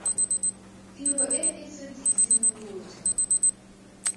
Tiro e e setse e simolotse.